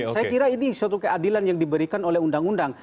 saya kira ini suatu keadilan yang diberikan oleh undang undang